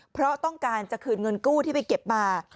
เพราะต้องการจะคืนเงินกู้ที่ไปเก็บมา